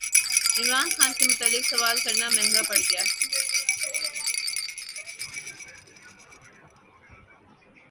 عمران خان کے متعلق سوال کرنا مہنگا پڑگیا